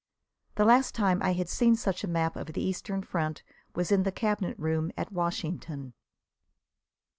The last time I had seen such a map of the Eastern front was in the Cabinet Room at Washington.